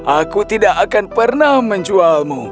aku tidak akan pernah menjualmu